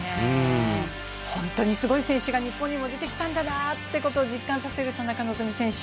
本当にすごい選手が日本にも出てきたんだなということを実感させる田中希実選手。